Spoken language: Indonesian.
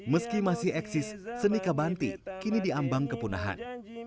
meski masih eksis seni kabanti kini diambang kepunahan